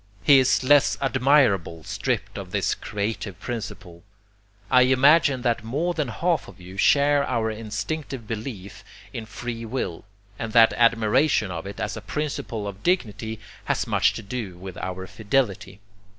He is less admirable, stripped of this creative principle. I imagine that more than half of you share our instinctive belief in free will, and that admiration of it as a principle of dignity has much to do with your fidelity.